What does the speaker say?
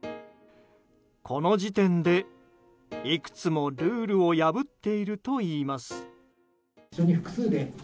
この時点でいくつもルールを破っているといいます。